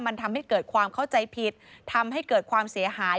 มันทำให้เกิดความเข้าใจผิดทำให้เกิดความเสียหาย